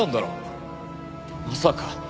まさか。